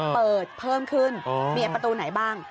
เปิดเพิ่มขึ้นมีประตูไหนบ้าง